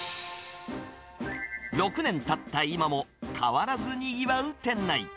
６年たった今も、変わらずにぎわう店内。